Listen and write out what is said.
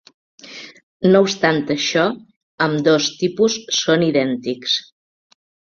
No obstant això, ambdós tipus són idèntics.